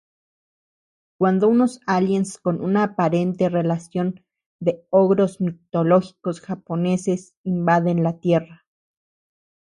Cuando unos aliens con una aparente relación de ogros mitológicos japoneses invaden la tierra.